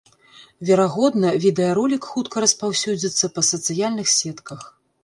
Верагодна, відэаролік хутка распаўсюдзіцца па сацыяльных сетках.